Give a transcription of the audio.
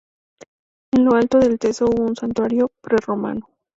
En lo alto del teso hubo un santuario prerromano.